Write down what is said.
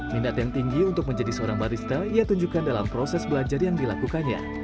minat yang tinggi untuk menjadi seorang barista ia tunjukkan dalam proses belajar yang dilakukannya